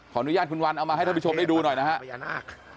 อนุญาตคุณวันเอามาให้ท่านผู้ชมได้ดูหน่อยนะฮะพญานาค